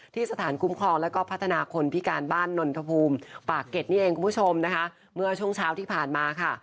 ที่สถานคุ้มครองแล้วก็พัฒนาคนพิการบ้านนนทภูมิปากเก็ตนี่เองคุณผู้ชมนะคะเมื่อช่วงเช้าที่ผ่านมาค่ะ